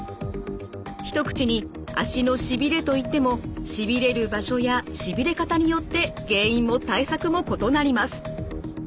一口に足のしびれといってもしびれる場所やしびれ方によって原因も対策も異なります。